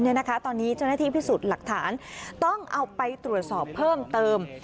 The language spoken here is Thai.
ตอนนี้เจ้าหน้าที่พิสูจน์หลักฐานต้องเอาไปตรวจสอบเพิ่มเติม